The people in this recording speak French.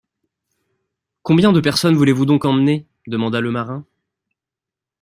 Combien de personnes voulez-vous donc emmener? demanda le marin.